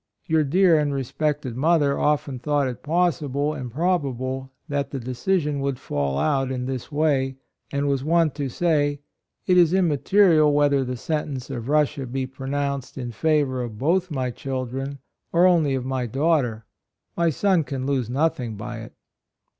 Your dear and respected mother often thought it possible and proba ble that the decision would fall out in this way, and was wont to say, "It is immaterial whether the sen tence of Russia be pronounced in favor of both my children or only of my daughter. My son can lose nothing by it."